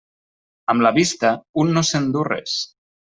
Amb la vista, un no se'n du res.